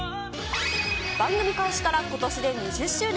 番組開始からことしで２０周年。